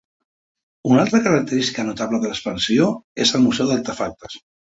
Una altra característica notable de l'expansió és el Museu d'Artefactes.